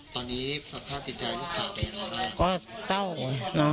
ตอนนี้สภาพติดใจที่สามารถเป็นอะไร